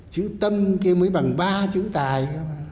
chữ tâm kia mới bằng ba chữ tài